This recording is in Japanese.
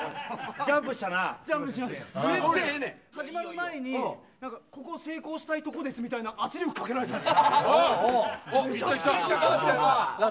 始まる前に、ここ成功したいところですみたいな圧力かけられたんです。